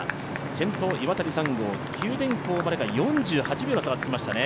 先頭、岩谷産業、九電工までが４８秒の差がつきましたね。